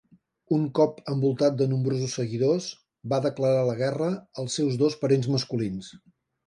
Un cop envoltat de nombrosos seguidors, va declarar la guerra als seus dos parents masculins.